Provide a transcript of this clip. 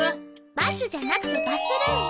「バス」じゃなくて「バスルーム」。